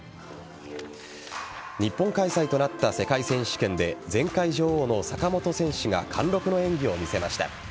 日本開催となった世界選手権で前回女王の坂本選手が貫禄の演技を見せました。